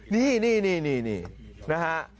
นี่นะฮะ